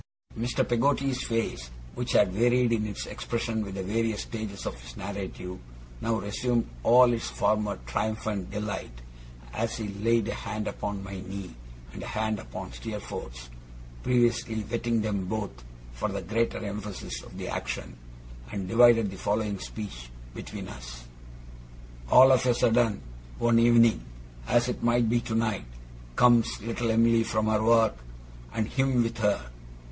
Mr. Peggotty's face, which had varied in its expression with the various stages of his narrative, now resumed all its former triumphant delight, as he laid a hand upon my knee and a hand upon Steerforth's (previously wetting them both, for the greater emphasis of the action), and divided the following speech between us: 'All of a sudden, one evening as it might be tonight comes little Em'ly from her work, and him with her!